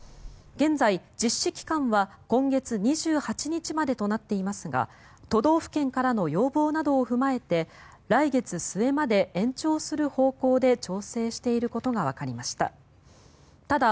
現在、実施期間は今月２８日までとなっていますが都道府県からの要望などを踏まえて来月末まで延長する方向で調整していることがわかりました。